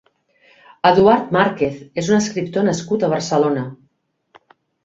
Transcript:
Eduard Márquez és un escriptor nascut a Barcelona.